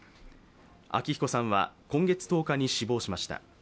昭彦さんは今月１０日に死亡しました。